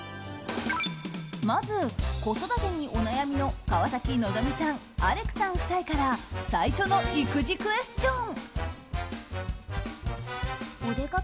まず、子育てにお悩みの川崎希さん、アレクさん夫妻から最初の育児クエスチョン。